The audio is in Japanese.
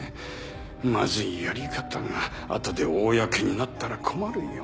まずいやり方が後で公になったら困るよ？